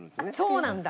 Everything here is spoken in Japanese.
そうなんだ。